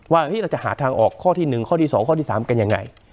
ว่าที่เราจะหาทางออกข้อที่หนึ่งข้อที่สองข้อที่สามกันอย่างไร